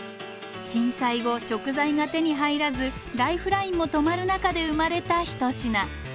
震災後食材が手に入らずライフラインも止まる中で生まれた一品。